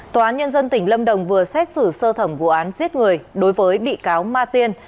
tòa án nhân dân tỉnh lâm đồng vừa xét xử sơ thẩm vụ án giết người đối với bị cáo ma tiên